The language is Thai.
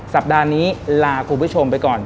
สัปดาห์นี้ลาคุณผู้ชมไปก่อน